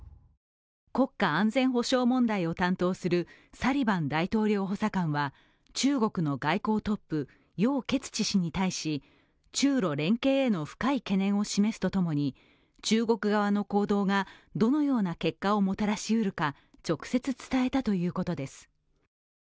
国家安全保障問題を担当するサリバン大統領補佐官は、中国の外交トップ、楊潔チ氏に対し中ロ連携への深い懸念を示すとともに中国側の行動がどのような結果をもたらしうるか、直接伝えたということです。